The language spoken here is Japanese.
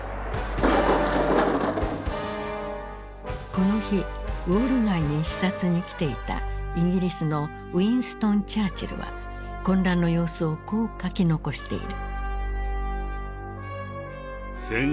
☎この日ウォール街に視察に来ていたイギリスのウィンストン・チャーチルは混乱の様子をこう書き残している。